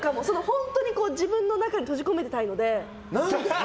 本当に自分の中に閉じ込めておきたいので。